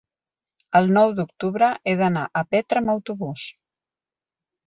El nou d'octubre he d'anar a Petra amb autobús.